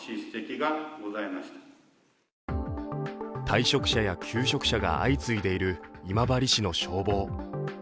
退職者や休職者が相次いでいる今治市の消防。